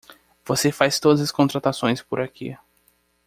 Você faz todas as contratações por aqui.